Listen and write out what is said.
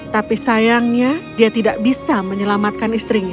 tapi sayangnya dia tidak bisa menyelamatkan istrinya